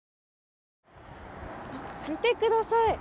見てください。